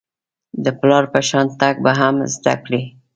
د پلار په شان تګ به هم زده کړئ .